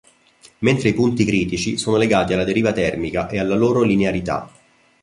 Mentre i punti critici sono legati alla deriva termica e alla loro linearità.